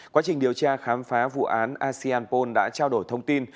quá trình điều tra khám phá vụ án aseanpol đã trao đổi thông tin